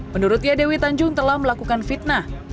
menurutnya dewi tanjung telah melakukan fitnah